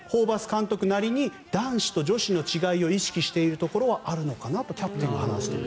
監督なりに男子と女子の違いを意識しているところはあるのかなとキャプテンが話している。